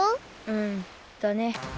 うんだね。